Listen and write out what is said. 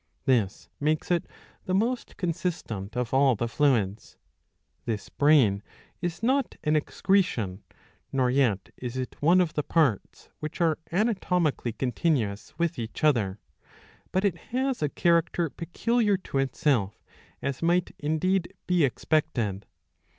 ^ This makes it the most consistent of all the fluids.^ This brain is not an excretion, nor yet is it one of the parts which are anatomically continuous with each other ; but it has a character peculiar to itself, as might indeed be expected.